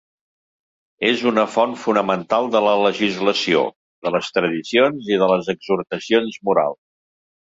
És una font fonamental de la legislació, de les tradicions i de les exhortacions morals.